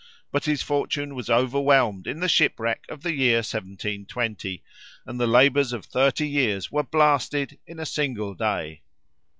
But his fortune was overwhelmed in the shipwreck of the year 1720, and the labours of thirty years were blasted in a single day.